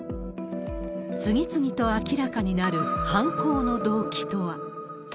次々と明らかになる犯行の動機とは。